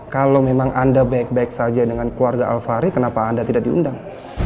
kalau memang anda baik baik saja dengan keluarga alfari kenapa anda tidak diundang